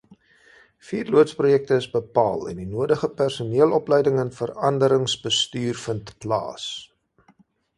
Vier loodsprojekte is bepaal, en die nodige personeelopleiding en veranderingsbestuur vind plaas.